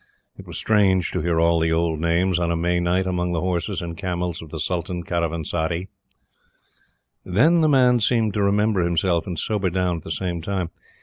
It was strange to hear all the old names, on a May night, among the horses and camels of the Sultan Caravanserai. Then the man seemed to remember himself and sober down at the same time.